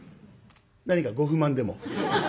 何かご不満でも？